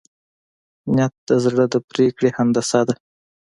نیت د زړه د پرېکړې هندسه ده.